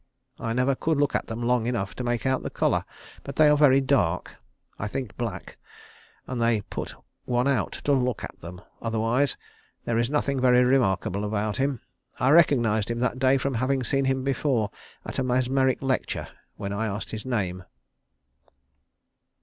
I never could look at them long enough to make out the colour, but they are very dark, I think black, and they put one out to look at them, otherwise there is nothing very remarkable about him. I recognised him that day from having seen him before at a mesmeric lecture, when I asked his name."